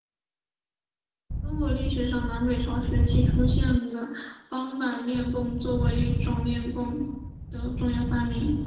中国历史上南北朝时期出现的方板链泵作为一种链泵是泵类机械的一项重要发明。